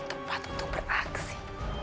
saat yang tepat untuk beraksi